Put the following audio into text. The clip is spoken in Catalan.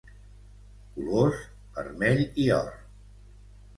Colors: vermell i or.